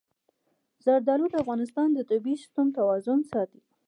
زردالو د افغانستان د طبعي سیسټم توازن ساتي.